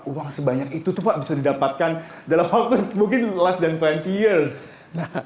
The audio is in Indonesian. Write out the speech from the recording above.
uang sebanyak itu tuh pak bisa didapatkan dalam waktu mungkin lebih dari dua puluh tahun